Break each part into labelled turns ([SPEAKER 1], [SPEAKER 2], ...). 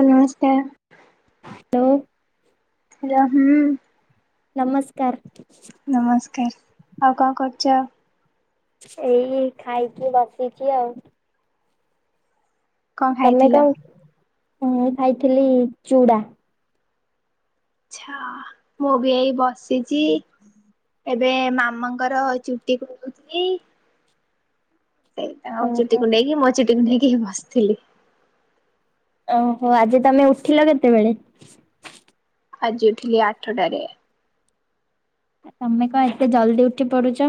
[SPEAKER 1] [inaudible] ନମସ୍କାର।
[SPEAKER 2] Hello.
[SPEAKER 1] Hello ହୁଁ।
[SPEAKER 2] ନମସ୍କାର
[SPEAKER 1] ନମସ୍କାର ଆଉ କଣ କରୁଚ?
[SPEAKER 2] ଏଇ ଖାଇକି ବସିଚି ଆଉ।
[SPEAKER 1] କଣ
[SPEAKER 2] ତମେ
[SPEAKER 1] ଖାଇଥିଲ?
[SPEAKER 2] କଣ ମୁଁ ଏ ଖାଇଥିଲି ଚୁଡ଼ା।
[SPEAKER 1] ଆଚ୍ଛା ମୁଁ ବି ଏଇ ବସିଚି। ଏବେ ମାମାଙ୍କର ଚୁଟି କୁଣ୍ଡୋଉଥିଲି। ସେଇଟା ଆଉ ଚୁଟି
[SPEAKER 2] ଓହୋ।
[SPEAKER 1] କୁଣ୍ଢେଇକି ମୋ ଚୁଟିକୁ କୁଣ୍ଢେଇକି ଏ ବସିଥିଲି।
[SPEAKER 2] ଓହୋ ଆଜି ତମେ ଉଠିଲ କେତେବେଳେ।
[SPEAKER 1] ଆଜି ଉଠିଲି ଆଠଟାରେ।
[SPEAKER 2] ତମେ କଣ ଏତେ ଜଲ୍ଦି ଉଠି ପଡୁଚ।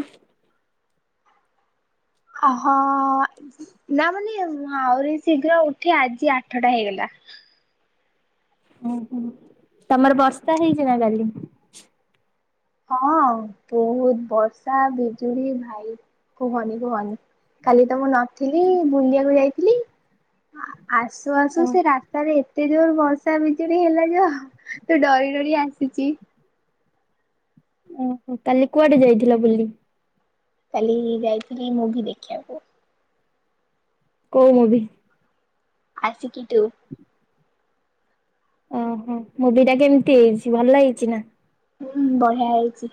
[SPEAKER 1] ଅଁ ହଁ। ନା ମାନେ ମୁଁ ଆହୁରି ଶୀଘ୍ର ଉଠେ ଆଜି ଆଠଟା ହେଇଗଲା।
[SPEAKER 2] ଓହୋ ତମର ବର୍ଷା ହେଇଚି ନା କାଲି।
[SPEAKER 1] ହଁ ବହୁତ ବର୍ଷା ବିଜୁଳି ଭାଇ କୁହନି କୁହନି। କାଲି ତ ମୁଁ ନଥିଲି ବୁଲିବାକୁ ଯାଇଥିଲି। ଆଁ ଆସୁ ଆସୁ
[SPEAKER 2] ଓ
[SPEAKER 1] ସେ ରାସ୍ତାରେ ଏତେ ଯୋରେ ବର୍ଷା ବିଜୁଳି ହେଲା ଯୋଉ ତୁ ଡ଼ରି ଡ଼ରି ଆସିଚି।
[SPEAKER 2] ଓହୋ କାଲି କୁଆଡ଼େ ଯାଇଥିଲ ବୁଲି।
[SPEAKER 1] କାଲି ଯାଇଥିଲି ମୁଭି ଦେଖିବାକୁ।
[SPEAKER 2] କୋଉ ମୁଭି?
[SPEAKER 1] ଆସି କିି ତୁ
[SPEAKER 2] ଓହୋ ମୁଭିଟା କେମିତି ହେଇଛି ଭଲ ହେଇଚି ନା।
[SPEAKER 1] ହୁଁ ବଢ଼ିଆ ହେଇଚି।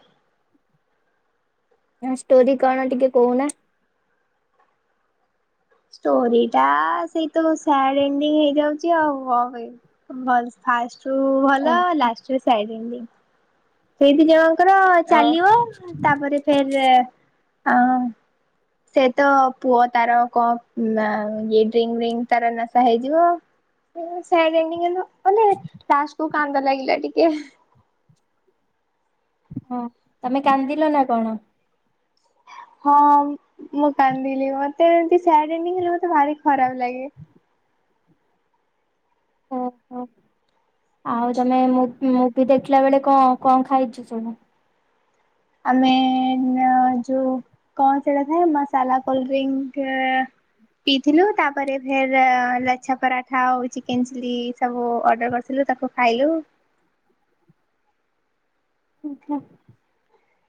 [SPEAKER 2] ଇଆ ଷ୍ଟୋରି କଣ ଟିକେ କହୁନା।
[SPEAKER 1] ଷ୍ଟୋରିଟା ସେଇ ତ ସ୍ୟାଡ ଏଣ୍ଡିଙ୍ଗ ହେଇଯାଉଚି ଆଉ କଣ କହିବି। ଭଲ ସ ଫାଷ୍ଟରୁ
[SPEAKER 2] ଓ
[SPEAKER 1] ଭଲ ଲାଷ୍ଟରେ ସ୍ୟାଡ୍ ଏଣ୍ଡିଙ୍ଗ। ସେଇ ଦି ଜଣଙ୍କର
[SPEAKER 2] ଓହୋ
[SPEAKER 1] ଚାଲିବ। ତାପରେ ଫେରେ ଆ ସେ ତ ପୁଅ ତାର କଣ ଆଁ ଇଏ ଡ୍ରି ସିଙ୍ଗ୍ ତାର ନାଶା ହେଇଯିବ। ଉଁ ସ୍ୟାଡ୍ ଏଣ୍ଡିଙ୍ଗ କିନ୍ତୁ ମାନେ ଲାଷ୍ଟକୁ କାନ୍ଦ ଲାଗିଲା ଟିକେ।
[SPEAKER 2] ହଁ ତମେ କାନ୍ଦିଲ ନା କଣ?
[SPEAKER 1] ହଁ ମୁଁ କାନ୍ଦିଲି ମତେ ଏମିତି ସ୍ୟାଡ ଏଣ୍ଡିଙ୍ଗ ହେଲେ ମତେ ଭାରି ଖରାପ ଲାଗେ।
[SPEAKER 2] ଓହୋ ଆଉ ତମେ ମୁ ମୁଭି ଦେଖିଲା ବେଳେ କଣ କଣ ଖାଇଚ ସବୁ।
[SPEAKER 1] ଆମେ ଅଁ ଯୋଉ କଣ ସେଇଟା ଥାଏ ମସଲା କୋଲଡଡ୍ରିଙ୍କ୍ସ୍। ପିଇଥିଲୁ ତାପରେ ଫେର୍ ଲଚ୍ଛା ପରାଠା ଆଉ ଚିକେନ୍ ଚିଲି ସବୁ ଅର୍ଡ଼ର କରିଥିଲୁ। ତାକୁ ଖାଇଲୁ।
[SPEAKER 2] ଓହୋ ମୁଁ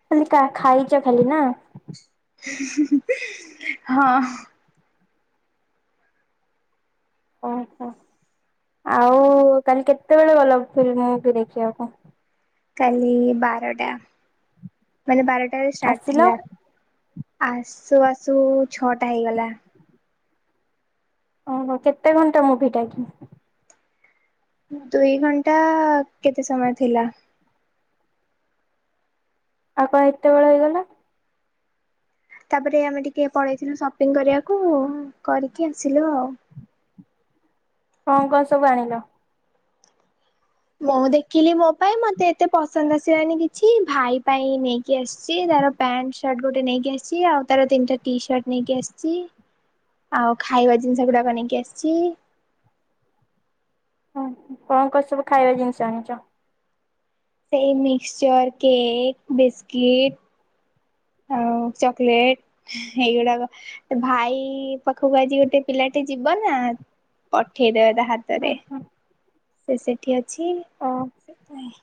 [SPEAKER 2] କହିଲି କା ଖାଇଚ ଖାଲି ନା।
[SPEAKER 1] ହଁ
[SPEAKER 2] ଓହୋ ଆଉ କାଲି କେତେବେଳେ ଗଲ ଫିଲ୍ମ ମୁଭି ଦେଖିବାକୁ।
[SPEAKER 1] କାଲି ବାରଟା ମାନେ ବାରଟାରେ ଷ୍ଟାର୍ଟ
[SPEAKER 2] ଆସିଲ
[SPEAKER 1] ଥିଲା। ଆସୁ ଆସୁ ଛଅଟା ହେଇଗଲା।
[SPEAKER 2] ଓହୋ କେତେ ଘଣ୍ଟା ମୁଭିଟା କି?
[SPEAKER 1] ଦୁଇ ଘଣ୍ଟା କେତେ ସମୟ ଥିଲା।
[SPEAKER 2] ଆଉ କଣ ଏତେବେଳ ହେଇଗଲା।
[SPEAKER 1] ତାପରେ ଆମେ ଟିକେ ପଳେଇଥିଲୁ ସପିଙ୍ଗ୍ କରିବାକୁ କରିକି ଆସିଲୁ ଆଉ।
[SPEAKER 2] କଁ କଁ ସବୁ ଆଣିଲ?
[SPEAKER 1] ମୁଁ ଦେଖିଲି ମୋ ପାଇଁ ମତେ ଏତେ ପସନ୍ଦ ଆସିଲାନି କିଛି ଭାଇ ପାଇଁ ନେଇ କି ଆସିଚି ତାର ପ୍ୟାଣ୍ଟ ସାର୍ଟ ଗୋଟେ ନେଇକି ଆସିଚି ଆଉ ତାର ତିନିଟା ଟି ସାର୍ଟ ନେଇକି ଆସିଚି। ଆଉ ଖାଇବା ଜିନିଷ ଗୁଡାକ ନେଇକି ଆସିଚି।
[SPEAKER 2] ଓହୋ। କଁ କଁ ସବୁ ଖାଇବା ଜିନିଷ ଆଣିଚ?
[SPEAKER 1] ଏଇ ମିକ୍ସଚର୍ କେକ୍ ବିସ୍କିଟ୍ ଆଉ ଚକଲେଟ ଏଇଗୁଡାକ। ଭାଇ ପାଖକୁ ଆଜି ଗୋଟେ ପିଲାଟେ ଯିବ ନା ପଠେଇଦବେ ତା ହାତରେ ସେ ସେଠି ଅଛି
[SPEAKER 2] ଓ
[SPEAKER 1] ସେଥିପାଇଁ।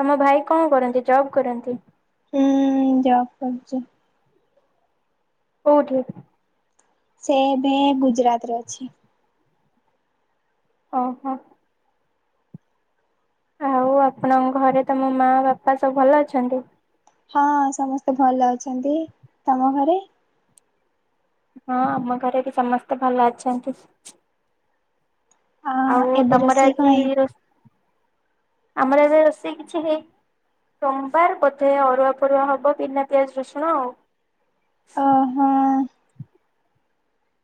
[SPEAKER 2] ତମ ଭାଇ କଣ କରନ୍ତି ଜବ୍ କରନ୍ତି?
[SPEAKER 1] ହୁଁ ଜବ କରୁଚି।
[SPEAKER 2] କୋଉଠି?
[SPEAKER 1] ସେ ଏବେ ଗୁଜୁରାତ ରେ ଅଛି।
[SPEAKER 2] ଓହୋ। ଆଉ ଆପଣଙ୍କ ଘରେ ତମ ମା ବାପା ସବୁ ଭଲ ଅଛନ୍ତି?
[SPEAKER 1] ହଁ ସମସ୍ତେ ଭଲ ଅଛନ୍ତି। ତମ ଘରେ?
[SPEAKER 2] ହଁ ଆମ ଘରେ ବି ସମସ୍ତେ ଭଲ ଅଛନ୍ତି।
[SPEAKER 1] ହଁ
[SPEAKER 2] ଆଉ
[SPEAKER 1] ଏବେ
[SPEAKER 2] ତମର
[SPEAKER 1] ରୋଷେଇ କଁ
[SPEAKER 2] ଆଜି
[SPEAKER 1] ହେଇ?
[SPEAKER 2] ରୋଷେ ଆମର ଏବେ ରୋଷେଇ କିଛି ହେଇ ସୋମବାର ବୋଧେ ଅରୁଆ ଫରୁଆ ହବ ପିନା ପିଆଜ ରସୁଣ ଆଉ।
[SPEAKER 1] ଓ ହ।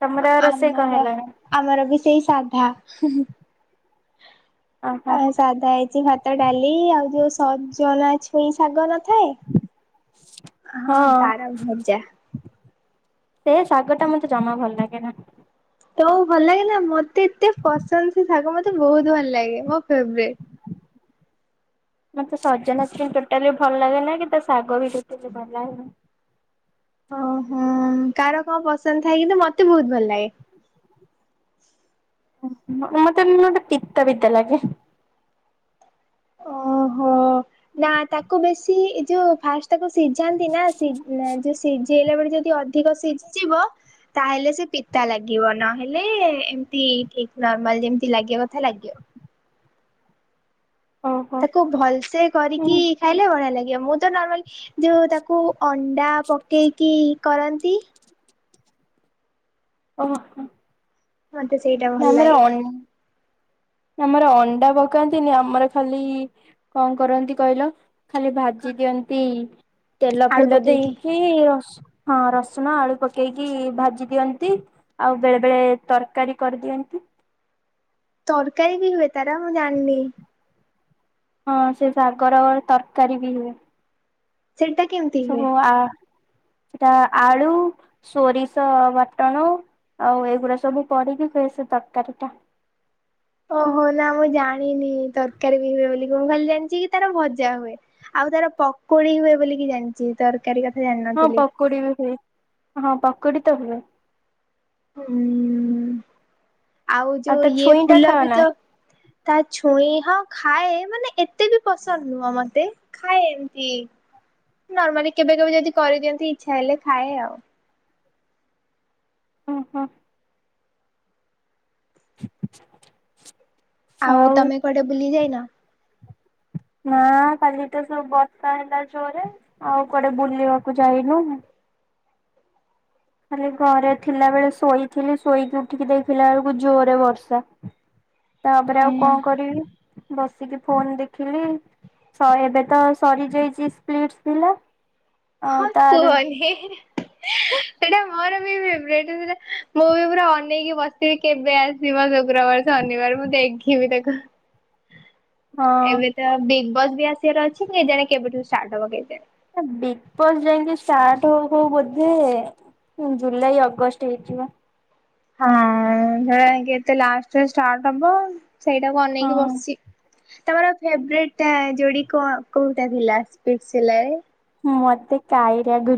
[SPEAKER 2] ତମର ରୋଷେଇ କଣ
[SPEAKER 1] ଆମର
[SPEAKER 2] ହେଲାଣି?
[SPEAKER 1] ଆମର ବି ସେଇ ସାଧା।
[SPEAKER 2] ଓହୋ
[SPEAKER 1] ଆଉ ସାଧା ହେଇଚି ଭାତ ଡାଲି। ଆଉ ଯୋଉ ସଜନା ଛୁଇଁ ଶାଗ ନଥାଏ?
[SPEAKER 2] ହଁ।
[SPEAKER 1] ତାର ଭଜା।
[SPEAKER 2] ସେ ଶାଗ ଟା ମତେ ଜମା ଭଲ ଲାଗେ ନା।
[SPEAKER 1] ତମକୁ ଭଲ ଲାଗେ ନା ମତେ ଏତେ ପସନ୍ଦ ସେ ଶାଗ ମତେ ବହୁତ ଭଲ ଲାଗେ ମୋ ଫେବରେଟ।
[SPEAKER 2] ମତେ ସଜନା ଛୁଇଁ ଟୋଟାଲି ଭଲ ଲାଗେନା କି ତା ଶାଗ ବି ଟୋଟାଲ ଭଲ ଲାଗେନା।
[SPEAKER 1] ଓହୋ କାର କଣ ପସନ୍ଦ ଥାଏ କିନ୍ତ ମତେ ବହୁତ ଭଲ ଲାଗେ।
[SPEAKER 2] ମତେ ଗୋଟେ ପିତା ପିତା ଲାଗେ।
[SPEAKER 1] ଓହୋ ନା ତାକୁ ବେଶୀ ଯୋଉ ଫାଷ ତାକୁ ସିଝାନ୍ତି ନା ଯଉ ସିଝେଇଲା ବେଳେ ଯଦି ଅଧିକ ସିଝିଯିବ ତାହେଲେ ସେ ପିତା ଲାଗିବ ନହେଲେ ଏମତି ଠିକ ନର୍ମାଲ ଯେମତି ଲାଗିବା କଥା ଲାଗିବ।
[SPEAKER 2] ଓହୋ
[SPEAKER 1] ତାକୁ ଭଲସେ କରିକି ଖାଇଲେ ବଢିଆ ଲାଗିବ। ମୁଁ ତ ନର୍ମାଲି ଯୋଉ ତାକୁ ଅଣ୍ଡା ପକେଇକି କରନ୍ତି।
[SPEAKER 2] ଓହୋ।
[SPEAKER 1] ମତେ ସେଇଟା ଭଲ
[SPEAKER 2] ଆମର
[SPEAKER 1] ଲାଗେ।
[SPEAKER 2] ଅନ ଆମର ଅଣ୍ଡା ପକାନ୍ତି ଆମର ଖାଲି କଣ କରନ୍ତି କହିଲ ଖାଲି
[SPEAKER 1] କଣ
[SPEAKER 2] ଭାଜି ଦିଅନ୍ତି ତେଲ
[SPEAKER 1] ଆଳୁ
[SPEAKER 2] ଫେଲ
[SPEAKER 1] ପକେଇକି
[SPEAKER 2] ଦେଇକି ରସ ହଁ ରସୁଣ ଆଳୁ ପକେଇକି ଭାଜି ଦିଅନ୍ତି ଆଉ ବେଳେ ବେଳେ ତରକାରୀ କରିଦିଅନ୍ତି।
[SPEAKER 1] ତରକାରୀ ବି ହୁଏ ତାରା ମୁଁ ଜାଣିନି।
[SPEAKER 2] ହଁ ସେ ଶାଗର ତରକାରୀ ବି ହୁଏ।
[SPEAKER 1] ସେଇଟା କେମତି?
[SPEAKER 2] ସବୁ ଆ ସେଟା ଆଳୁ ସୋରିଷ ବାଟଣ ଆଉ ଏଗୁଡା ସବୁ କରିକି ହୁଏ ସେ ତରକାରୀ ଟା।
[SPEAKER 1] ଓହୋ ନା ମୁଁ ଜାଣିନି ତରକାରୀ ବି ହୁଏ ବୋଲି ମୁ ଖାଲି ଜାଣିଛି କି ତାର ଭଜା ହୁଏ। ଆଉ ତାର ପକୁଡି ହୁଏ ବୋଲି କିି ଜାଣିଛି ତାର ତରକାରୀ କଥା ଯାଣିନ।
[SPEAKER 2] ହଁ ପକୁଡି ବି ହୁଏ ହଁ ପକୁଡି ତ ହୁଏ।
[SPEAKER 1] ହୁଁ। ଆଉ ଯୋଉ
[SPEAKER 2] ତ
[SPEAKER 1] ଇଏ
[SPEAKER 2] ଛୁଇଁ ଟା
[SPEAKER 1] ଫୁଲ
[SPEAKER 2] ଖାଅ
[SPEAKER 1] ବି
[SPEAKER 2] ନା
[SPEAKER 1] ତ ତା ଛୁଇଁ ହଁ ଖାଏ ମାନେ ଏତେ ବି ପସନ୍ଦ ନୁହଁ ମତେ। ଖାଏ ଏମତି ନର୍ମାଲି କେବେ କେବେ ଯଦି କରିଦିଅନ୍ତି ଇଚ୍ଛା ହେଲେ ଖାଏ ଆଉ।
[SPEAKER 2] ଓ ହୋ। [inaudible]
[SPEAKER 1] ଆଉ ତମେ କୁଆଡେ ବୁଲି ଯାଇନ?
[SPEAKER 2] ନା କାଲି ତ ସବୁ ବର୍ଷା ହେଲା ଜୋରେ ଆଉ କୁଆଡେ ବୁଲିବାକୁ ଯାଇନୁ। ଖାଲି ଘରେ ଥିଲା ବେଳେ ଶୋଇଥିଲି ଶୋଇକି ଉଠିକି ଦେଖିଲା ବେଳକୁ ଜୋରେ ବର୍ଷା। ତାପରେ ଆଉ କଣ କରିବି ବସିକି ଫୋନ୍ ଦେଖିଲି। ସହେ ଡାଟା ସରିଯାଇଛି ସ୍ପ୍ଲିଟସ୍ ଥିଲା।
[SPEAKER 1] ହଁ
[SPEAKER 2] ଆଉ ତାର
[SPEAKER 1] ତୁହନି [unintelligible] ସେଇଟା ମୋର ବି ଫବ୍ରେଟ ସେଟା ମୁଁ ବି ପୁରା ଅନେଇକି ବସିିବି [unintelligible] କେବେ ଆସିବ ଶୁକ୍ରବାର, ଶନିବାର ମୁଁ ଦେଖିବି ତାକୁ।
[SPEAKER 2] ହଁ
[SPEAKER 1] ଏବେ ତ ବିଗ୍ ବସ୍ ବି ଆସିବାର ଅଛି କେଜାଣେ କେବେଠୁ ଷ୍ଟାର୍ଟ ହବ କେଜାଣେ।
[SPEAKER 2] ହେ ବିଗ୍ ବସ୍ ଯାଇକି ଷ୍ଟାର୍ଟ ହଉ ହଉ ବୋଧେ ଜୁଲାଇ, ଅଗଷ୍ଟ ହେଇଯିବ।
[SPEAKER 1] ହଁ ହେ କେତେ ଲାଷ୍ଟରେ ଷ୍ଟାଟ ହବ ସେଇଟାକୁ ଅନେଇକି
[SPEAKER 2] ହଁ
[SPEAKER 1] ବସିଛି। ତମର ଫବ୍ରେଟ୍ ଯୋଡି କ କୋଉଟା ଥିଲା ସ୍ପିକସ୍ ହେଲାବେଳେ [unintelligible]
[SPEAKER 2] ମତେ କାଇରା ଗୁ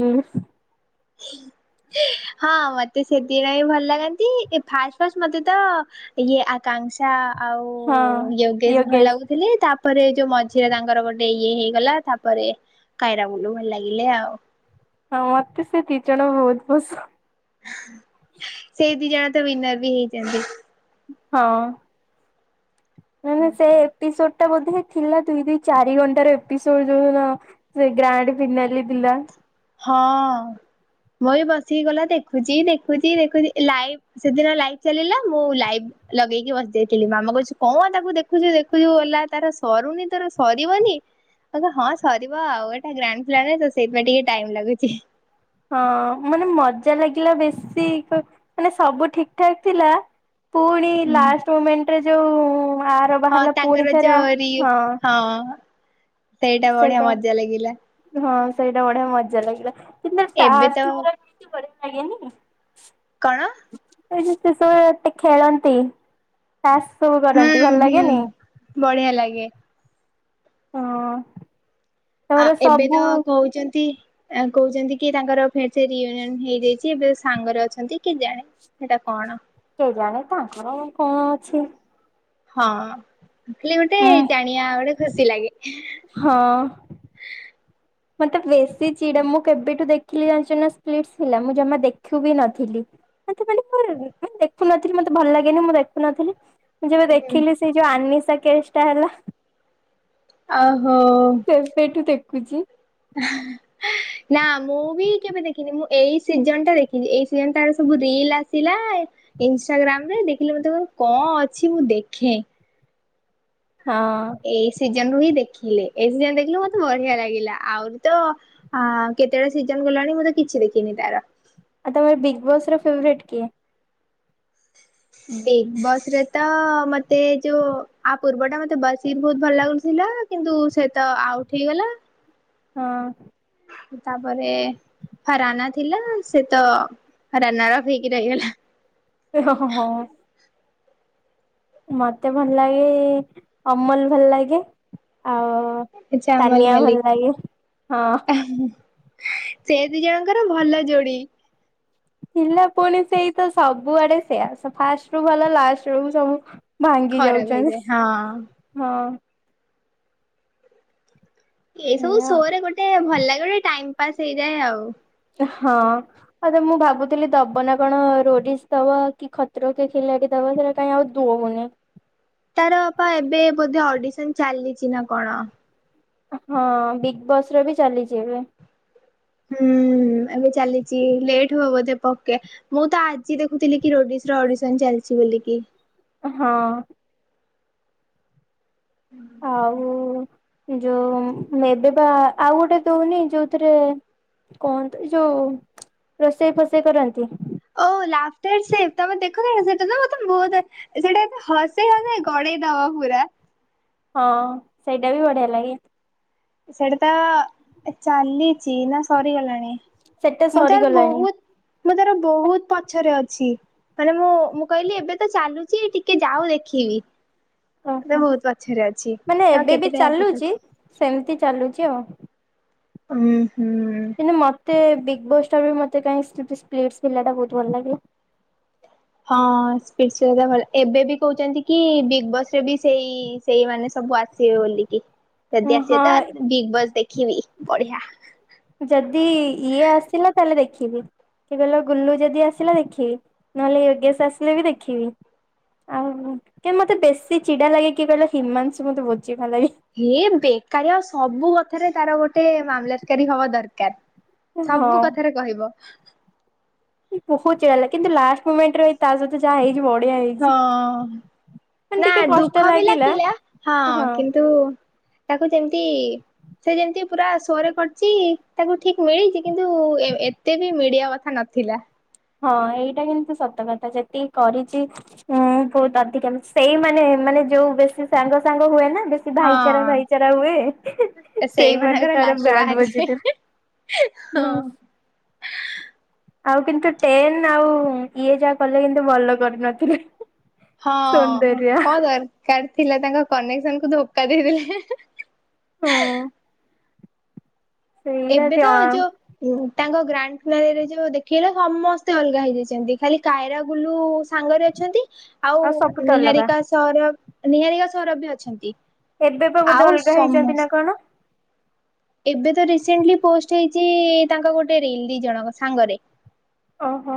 [SPEAKER 1] [unintelligible] ହଁ ମୋତେ ସେଥିପାଇଁ ଭଲ ଲାଗନ୍ତି ଏ ଫାଷ୍ଟ ଫାଷ୍ଟ ମତେ ତ ଇଏ ଆ [unintelligible] କାଂସା ଆଉ
[SPEAKER 2] ହଁ। ପ୍ରିୟ
[SPEAKER 1] ୟୋଗେଶ ଭଲ
[SPEAKER 2] ଗେଷ୍ଟ
[SPEAKER 1] ଲାଗୁ ଥିଲି ତାପରେ ଯୋଉ ମଝିରେ ତାଙ୍କର ଗୋଟେ ଇଏ ହେଇଗଲା ତାପରେ କାଇରା ଗୁରୁ ଭଲ ଲାଗିଲେ ଆଉ [unintelligible]
[SPEAKER 2] ହଁ ମତେ ସେ ଦି ଜଣ ବହୁତ୍ ପସନ୍ଦ [unintelligible]
[SPEAKER 1] ସେଇ ଦି ଯା ତ ୱିନର ବି ହେଇଛନ୍ତି।
[SPEAKER 2] ହଁ। ମାନେ ସେ ଏପିସୋଡ୍ ଟା ବୋଧେ ଥିଲା ଦୁଇ ଦୁଇ ଚାରି ଘଣ୍ଟାର ଏପିସୋଡ୍ ଯୋଉ ଦିନ ସେ ଗ୍ରାଣ୍ଡ ଫିନାଲି ଥିଲା।
[SPEAKER 1] ହଁ ମୁଁ ବି ବସିକି ଗଲା ଦେଖୁଛି ଦେଖୁଛି ଦେଖୁଛି ଏ ଲାଇଭ୍ ସେଦିନ ଲାଇଭ୍ ଚାଲିଲା ମୁଁ ଲାଇଭ୍ ଲଗେଇକି ବସି ଯାଇଥିଲି ମାମା କହୁଛୁ କଣ ତାକୁ ଦେଖୁଛୁ ଦେଖୁଛୁ ଗଲା ତାର ସରୁନି ତୋର ସରିବନି। [unintelligible] ହଁ ସରିବ ଆଉ ଏଇଟା ଗ୍ରାଣ୍ଡ ଫିନାଲି ତ ସେଇଥିପାଇଁ ଟିକେ ଟାଇମ ଲାଗୁଛି।
[SPEAKER 2] ହଁ ମାନେ ମଜା ଲାଗିଲା ବେଶୀ ମାନେ ସବୁ ଠିକଠାକ୍ ଥିଲା ପୁଣି
[SPEAKER 1] ହୁଁ।
[SPEAKER 2] ଲାଷ୍ଟ ମୁମେଣ୍ଟରେ ଯୋଉ ଆର
[SPEAKER 1] ହଁ
[SPEAKER 2] ବାହାରିଲା ପୁଣି
[SPEAKER 1] ତାଙ୍କର
[SPEAKER 2] ଥରେ ଆ
[SPEAKER 1] ଯୋଉ ରି ହଁ ସେଇଟା ବଢିଆ ମଜା ଲାଗିଲା।
[SPEAKER 2] ହଁ ସେଇଟା ବଢିଆ ମଜା ଲାଗିଲା କିନ୍ତୁ
[SPEAKER 1] ଏବେ ତ
[SPEAKER 2] ଟାସ୍କ ଗୁରା ବି ଯୋଉ ବଢିଆ ଲାଗେନି
[SPEAKER 1] କଣ?
[SPEAKER 2] ଏଇ ଯେତେ ସବୁ ଏତେ ଖେଳନ୍ତି [unintelligible] ଟାସ୍କ ସବୁ
[SPEAKER 1] ହୁଁ
[SPEAKER 2] କରନ୍ତି ଭଲ
[SPEAKER 1] ହୁଁ
[SPEAKER 2] ଲାଗେନି।
[SPEAKER 1] ବଢିଆ ଲାଗେ।
[SPEAKER 2] ହଁ
[SPEAKER 1] ଆଁ
[SPEAKER 2] ତାପରେ
[SPEAKER 1] ଏବେ
[SPEAKER 2] ସବୁ
[SPEAKER 1] ତ କହୁଛନ୍ତି ଏୟା କହୁଛନ୍ତି କି ତାଙ୍କର ଫେରେ ସେ ରିୟୁନିଅନ ହେଇଯାଇଛି। ଏବେ ସାଙ୍ଗରେ ଅଛନ୍ତି କି ଜାଣେ? ସେଟା କଣ?
[SPEAKER 2] କେଜାଣେ ତାଙ୍କର କଣ ଅଛି।
[SPEAKER 1] ହଁ ଖାଲି ଗୋଟେ
[SPEAKER 2] ଉଁ
[SPEAKER 1] ଜାଣିବା ଗୋଟେ ଖୁସି ଲାଗେ।
[SPEAKER 2] ହଁ। ମୋତେ ବେଶୀ ଚିଡା ମୁଁ କେବେଠୁଁ ଦେଖିଲି ଜାଣିଛୁ ନାଁ ସ୍ପିଟସ୍ ଭିଲା ମୁଁ ଜମା ଦେଖୁ ବି ନଥିଲି। ମୋତେ ମାନ କାଇଁ ଦେଖୁନଥିଲି ମୋତେ ଭଲ ଲାଗେନି ମୁଁ ଦେଖୁନଥିଲି। ମୁଁ ଯେବେ ଦେଖିଲି ସେ ଯୋଉଁ ଆନିଶା କେଷ୍ଟା ହେଲା।
[SPEAKER 1] ଆଉ ହୋ।
[SPEAKER 2] ସେବେଠୁଁ ଦେଖୁଛି।
[SPEAKER 1] [inaudible] ନାଁ ମୁଁ ବି କେବେ ଦେଖିନି। ମୁଁ ଏଇ ସିଜନଟା ଦେଖିଛି ଏଇ ସିଜନ ଟାରେ ସବୁ ରିଲ ଆସିଲା ଇନଷ୍ଟଟାଗ୍ରାମରେ ଦେଖିଲି ମୋତେ ମାନେ କଣ ଅଛି ମୁଁ ଦେଖେ।
[SPEAKER 2] ହଁ।
[SPEAKER 1] ଏଇ ସିଜନରୁ ହିଁ ଦେଖିଲି ଏଇ ସିଜିନ ଦେଖିଲେ ମୋତେ ବଢିଆ ଲାଗିଲା ଆଉ ତ ଆଁ କେତେଟା ସିଜନ ଗଲାଣି ମୁଁ ତ କିଛି ଦେଖିନି ତାର।
[SPEAKER 2] ଆଉ ତମେ ବିଗ୍ ବସର ଫେବରେଟ୍ କିଏ?
[SPEAKER 1] ବିଗ୍ ବସରେ ତ ମୋତେ ଯୋଉଁ ଆ ପୂର୍ବ ଟା ମୋତେ ବସିର୍ ବହୁତ ଭଲ ଲାଗୁଥିଲା। କିନ୍ତୁ ସେ ତ ଆଉଟ୍ ହେଇଗଲା
[SPEAKER 2] ହଁ।
[SPEAKER 1] ତାପରେ ହରାନା ଥିଲା। ସେ ତ ହାରାନଆଫ ହେଇକି ରହିଗଲା।
[SPEAKER 2] ଏଁ ହେଁ ହୋ ହଁ। ମୋତେ ଭଲ ଲାଗେ ଅମଲ ଭଲ ଲାଗେ। ଆଉଁ
[SPEAKER 1] ସେ ଚାମଲ
[SPEAKER 2] ହଁ
[SPEAKER 1] ମଲ୍ଲିକ ହେଁ ହେଁ ସେ ଦି ଜଣଙ୍କର ଭଲ ଯୋଡି।
[SPEAKER 2] ଥିଲା ପୁଣି ସେଇ ତ ସବୁଆଡେ ସେଇଆ ଫାଷ୍ଟରୁୁ ଭଲ ଲାଷ୍ଟ ବେଳକୁ ସବୁ ଭାଙ୍ଗି
[SPEAKER 1] ଖରାପ
[SPEAKER 2] ଯାଉଛନ୍ତି
[SPEAKER 1] ହେଇଯାଏ ହଁ
[SPEAKER 2] ହେଁ ହଁ।
[SPEAKER 1] ଏହିଁ ସବୁ
[SPEAKER 2] ଏଇଆ
[SPEAKER 1] ଶୋ ରେ ଗୋଟେ ଭଲ ଲାଗେ ଗୋଟେ ଟାଇମ ପାସ୍ ହେଇଯାଏ ଆଉ।
[SPEAKER 2] ଏଁହଁ। ହଁ ଯେ ମୁଁ ଭାବୁଥିଲି ଦବ ନାଁ କଣ ରୋଡିସ୍ ଦବ କି ଖତ୍ରୋକି ଖିଲାଡି ଦବ ସେଟା କାଇଁ ଆଉ ଦୋଉନି
[SPEAKER 1] ତାର ପା ଏବେ ବୋଧେ ଅଡିସନ ଚାଲିଛି ନାଁ କଣ?
[SPEAKER 2] ହଁ ବିଗ୍ ବସ୍ ରେ ବି ଚାଲିଛି ଏବେ।
[SPEAKER 1] ହୁଁ। ଏବେ ଚାଲିଛି ଲେଟ୍ ହବ ବୋଧେ ପକେ ମୁଁ ତ ଆଜି ଦେଖୁଥିଲି କି ରୋଡିଶ ର ଅଡିସନ ଚାଲିଛି ବୋଲିକି
[SPEAKER 2] ହଁ।
[SPEAKER 1] ହୁଁ ହ
[SPEAKER 2] ଏ ଯୋଉଁ ଏବେ ବା ଆଉ ଗୋଟେ ଦଉନି ଯୋଉଁ ଥିରେ କୁହନ୍ତୁ ଯୋଉଁ ରୋଷେଇ ଫଷେଇ କରନ୍ତି।
[SPEAKER 1] ଓ ଲାଷ୍ଟ ଷ୍ଟେଜରେ ତମେ ଦେଖ ନାଁ କି ସେଦିନ ବହୁତ ସେଟା ଏତେ ହସେଇ ହସେଇ ଗଡେଇ ଦବ ପୁରା।
[SPEAKER 2] ହଁ ସେଇଟା ବି ବଢିଆ ଲାଗେ।
[SPEAKER 1] ସେଇଟା ତ ଚାଲିଛି ନାଁ ସରିଗଲାଣି।
[SPEAKER 2] ସେଟା
[SPEAKER 1] ମୁଁ ତାର
[SPEAKER 2] ସରିଗଲାଣି
[SPEAKER 1] ବହୁତୁ ମୁଁ ତାର ବହୁତୁ ପଛରେ ଅଛି। ମାନେ ମୁଁ ମୁଁ କହିଲି ଏବେ ତ ଚାଲୁଛି ଟିକେ ଯାଉ ଦେଖିବି। ନା
[SPEAKER 2] ଓହୋ
[SPEAKER 1] ବହୁତୁ ପଛରେ ଅଛି
[SPEAKER 2] ମାନେ
[SPEAKER 1] ଆ
[SPEAKER 2] ଏବେ ବି
[SPEAKER 1] କେତେଟା ଏ ସେ।
[SPEAKER 2] ଚାଲୁଛି ସେମିତି ଚାଲୁଛି ଆଉ।
[SPEAKER 1] ଉୁଁ ହୁଁ।
[SPEAKER 2] କିନ୍ତୁ ମତେ ବିଗ ବସ୍ ଟା ବି ମତେ କାଇଁ ସ୍ପ୍ଲିଟି ପିଲାଟା ବହୁତୁ ଭଲ ଲାଗିଲା।
[SPEAKER 1] ହଁ ସ୍ପ୍ଲିଟି ଭଲ ଏବେ ବି କହୁଛନ୍ତି କି ବିଗ୍ ବସ ରେ ବି ସେଇ ସେଇ ମାନେ ସବୁ ଆସ। ସିଏ ବୋଲିକି ଯଦି ସିଏ ତା
[SPEAKER 2] ହଁ
[SPEAKER 1] ବିଗ୍ ବସ୍ ଦେଖିନି ବଢିଆ।
[SPEAKER 2] ଯଦି ଇଏ ଆସିଲା ତାହେଲେ ଦେଖିବି। କିଏ କହିଲା ଗୁଲୁ ଯଦି ଆସିଲା ଦେଖିବି ନହେଲେ ୟୋଗେଶ ଆସିଲେ ବି ଦେଖିବି। ଆଉ କେ ମତେ ବେଶୀ ଚିଡା ଲାଗେ କିଏ କହିଲ ହିମାଂଶୁ ମତେ ବହୁତୁ ଚିଡ଼ା ଲାଗେ।
[SPEAKER 1] ହେ ବେକାରୀ ଆଉ ସବୁ କଥାରେ ତାର ଗୋଟେ ମାମଲାତି କାରୀ ହବା ଦରକାରେ।
[SPEAKER 2] ହଁ
[SPEAKER 1] ସବୁ କଥାରେ କହିବ।
[SPEAKER 2] ବହୁତୁ ଚିଡାଲାଗେ କିନ୍ତୁ ଲାଷ୍ଟେ ମୁମେଣ୍ଟରେ ତା ସହିତ ଯାହା ହେଇଛି ବଢିଆ
[SPEAKER 1] ହଁ
[SPEAKER 2] ହେଇଛି। ମାନେ
[SPEAKER 1] ନା
[SPEAKER 2] ଟିକେ କଷ୍ଟ
[SPEAKER 1] ଦୁଃଖ ବି ଲାଗିଲା ହଁ କିନ୍ତୁ ତାକୁ ଯେମିତି। ସେ ଯେମିତି ପୁରା ସୋରେ କରିଛି ତାକୁ ଠିକ ମିଳିଛି କିନ୍ତୁ ଏତେ ବି ମିଳିବା କଥା ନଥିଲା।
[SPEAKER 2] ହଁ ଏଇଟା କିନ୍ତୁ ସତ କଥା ଯେତିକି କରିଛି। ହୁଁ ବହୁତ ଅଧିକା ସେଇ ମାନେ ମାନେ ଯୋଉ ବେଶୀ ସାଙ୍ଗ ସାଙ୍ଗ ହୁଏ ନା ବେ। ଭାଇଚାରା,
[SPEAKER 1] ହଁ
[SPEAKER 2] ଭାଇଚାରା ହୁଏ ସେଇମାନେ
[SPEAKER 1] ସେଇମାନଙ୍କର
[SPEAKER 2] ତାର
[SPEAKER 1] ଲାଷ୍ଟ
[SPEAKER 2] ବ୍ୟାଣ୍ଡ
[SPEAKER 1] ବାହାରିଯାଏ
[SPEAKER 2] ବଜେଇଦେଲେ।
[SPEAKER 1] ହଁ।
[SPEAKER 2] ଆଉ କିନ୍ତୁ ଟେନେ ଆଉ ଇଏ ଯାହା କଲେ କିନ୍ତୁ ଭଲ କରିନଥିଲେ।
[SPEAKER 1] ହଁ
[SPEAKER 2] ସୌନ୍ଦର୍ଯ୍ୟା
[SPEAKER 1] କ'ଣ ଦରକାର ଥିଲା ତାଙ୍କ କନେକ୍ସନ କୁ ଧୋକା ଦେଇଥିଲେ।
[SPEAKER 2] ହଁ। ସେଇଟା
[SPEAKER 1] ଏବେ
[SPEAKER 2] ବି
[SPEAKER 1] ତ
[SPEAKER 2] ଅ
[SPEAKER 1] ଯୋଉ। ତାଙ୍କ ଗ୍ରାଣ୍ଡ ଫିନାଲି ରେ ଯୋଉ ଦେଖେଇଲେ ସମସ୍ତେ ଅଲଗା ହେଇଯାଇଛନ୍ତି ଖାଲି କାଇରା ଗୁଲୁ ସାଙ୍ଗରେ। ଅଛନ୍ତି ଆଉ
[SPEAKER 2] ସବୁ ତ ଅଲଗା।
[SPEAKER 1] ନିହାରିକା ସୌରଭ ନିହାରିକା ସୌରଭ ବି ଅଛନ୍ତି।
[SPEAKER 2] ଏବେ ତୋ ବୋଧେ
[SPEAKER 1] ଆଉ
[SPEAKER 2] ଅଲଗା ହେଇଛନ୍ତି ନା
[SPEAKER 1] ସମସ୍ତ
[SPEAKER 2] କ'ଣ।
[SPEAKER 1] ଏବେ ତ ରିସେଣ୍ଟେଲି ପୋଷ୍ଟ ହେଇଛି ତାଙ୍କ ଗୋଟେ ରିଲ ଦି ଜଣଙ୍କ ସାଙ୍ଗରେ।
[SPEAKER 2] ଓହୋ।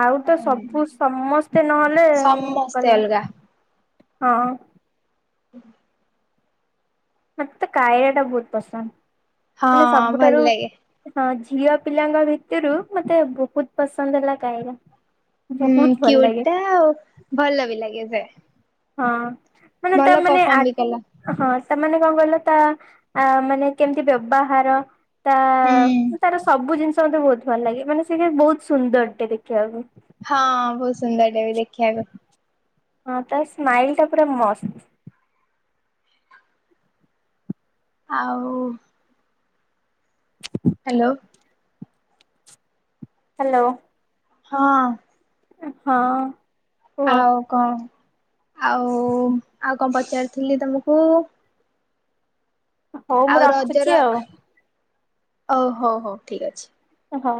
[SPEAKER 2] ଆଉ ତ ସବୁ ସମସ୍ତେ ନହେଲେ
[SPEAKER 1] ସମସ୍ତେ
[SPEAKER 2] କଲେ
[SPEAKER 1] ଅଲଗା
[SPEAKER 2] ହଁ। ମତେ ତ କାୟା ଟା ବହୁତୁ
[SPEAKER 1] ହଁ
[SPEAKER 2] ପସନ୍ଦ ମାନେ
[SPEAKER 1] ଭଲ
[SPEAKER 2] ସବୁଠାରୁ।
[SPEAKER 1] ଲାଗେ।
[SPEAKER 2] ହଁ ଝିଅ ପିଲାଙ୍କ ଭିତିରୁ ମତେ ବହୁତୁ ପସନ୍ଦ ହେଲା କାଇରା।
[SPEAKER 1] ହୁଁ
[SPEAKER 2] ବହୁତ ଭଲ
[SPEAKER 1] କ୍ୟୁ
[SPEAKER 2] ଲାଗେ
[SPEAKER 1] ଟା ଆଉ ଭଲ ବି ଲାଗେ ସେ।
[SPEAKER 2] ହଁ ମାନେ
[SPEAKER 1] ଭଲ
[SPEAKER 2] ତା ମାନେ ଆ।
[SPEAKER 1] ପରଫର୍ମ ବି କଲା
[SPEAKER 2] ହଁ ସେମାନେ କ'ଣ କହିଲ ତା ଆ ମାନେ କେମିତି ବ୍ୟବହାର। ତା
[SPEAKER 1] ହୁଁ।
[SPEAKER 2] ତାର ସବୁ ଜିନିଷ ମତେ ବହୁତୁ ଭଲ ଲାଗେ ମାନେ ସେ ବହୁତୁ ସୁନ୍ଦର ଟେ ଦେଖିବାକୁ।
[SPEAKER 1] ହଁ ବହୁତୁ ସୁନ୍ଦର ଟେବି ଦେଖିବାକୁ।
[SPEAKER 2] ହଁ ତା ସ୍ମାଇଲ୍ ଟା ପୁରା ମସ୍ତ।
[SPEAKER 1] ଆଉ
[SPEAKER 2] [unintelligible]
[SPEAKER 1] ହାଲୋ।
[SPEAKER 2] ହାଲୋ।
[SPEAKER 1] ହଁ।
[SPEAKER 2] ହଁ। କୁହ।
[SPEAKER 1] ଆଉ କଣ ଆଉ ଆଉ କଣ ପଚାରିଥିଲି ତମକୁ?
[SPEAKER 2] ହଉ ମୁଁ
[SPEAKER 1] ଆଉ
[SPEAKER 2] ରଖୁଛି
[SPEAKER 1] ରଜର
[SPEAKER 2] ଆଉ
[SPEAKER 1] ଓ ହୋଉ ହୋଉ ଠିକ ଅଛି।
[SPEAKER 2] ଓହୋ।